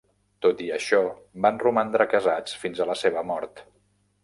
Tot i això, van romandre casats fins a la seva mort.